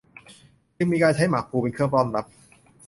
จึงมีการใช้หมากพลูเป็นเครื่องต้อนรับ